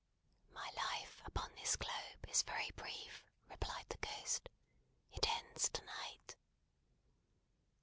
"My life upon this globe, is very brief," replied the Ghost. "It ends to night."